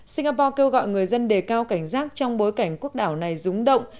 singapore kêu gọi người dân đề cao cảnh giác trong bối cảnh quốc đảo này rúng động